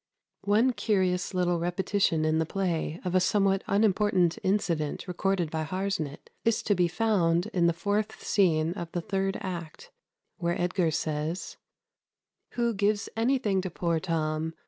One curious little repetition in the play of a somewhat unimportant incident recorded by Harsnet is to be found in the fourth scene of the third act, where Edgar says "Who gives anything to poor Tom?